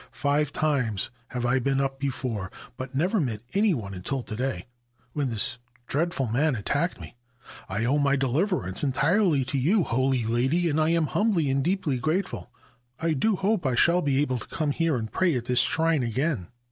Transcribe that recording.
Five times have I been up before, but never met any one until to day, when this dreadful man attacked me. I owe my deliverance entirely to you, holy lady, and I am humbly and deeply grateful. I do hope I shall be able to come here and pray at this shrine again.